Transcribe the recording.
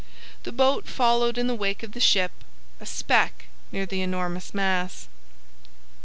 The boat followed in the wake of the ship, a speck near the enormous mass.